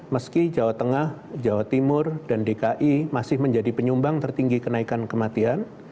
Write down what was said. meski jawa tengah jawa timur dan dki masih menjadi penyumbang tertinggi kenaikan kematian